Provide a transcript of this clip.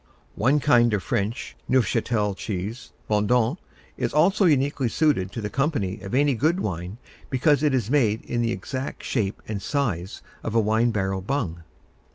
One kind of French Neufchâtel cheese, Bondon, is also uniquely suited to the company of any good wine because it is made in the exact shape and size of a wine barrel bung.